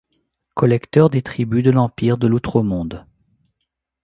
Collecteur des tributs de l’empire de l’Outremonde.